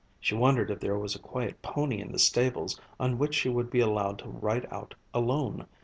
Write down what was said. She wondered if there was a quiet pony in the stables on which she would be allowed to ride out alone.